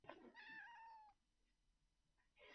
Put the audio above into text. Buning uchun uni bir marta sakratib ko'ring.